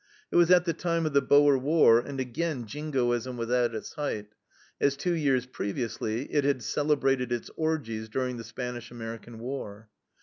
It was at the time of the Boer war, and again jingoism was at its height, as two years previously it had celebrated its orgies during the Spanish American war.